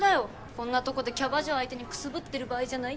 こんなとこでキャバ嬢相手にくすぶってる場合じゃないって。